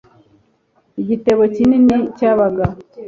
igitebo kinini cyabaga